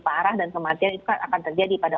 parah dan kematian itu akan terjadi pada